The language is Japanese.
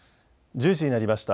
１０時になりました。